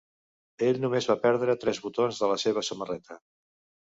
Ell només va perdre tres botons de la seva samarreta.